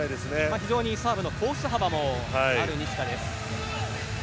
非常にサーブのコース幅もある西田です。